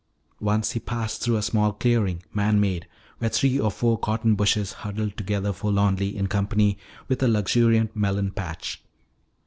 Once he passed through a small clearing, man made, where three or four cotton bushes huddled together forlornly in company with a luxuriant melon patch.